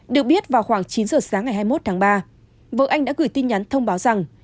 được biết vào khoảng chín giờ sáng ngày hai mươi một tháng ba vợ anh đã gửi tin nhắn thông báo rằng